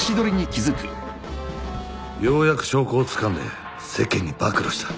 ようやく証拠をつかんで世間に暴露した。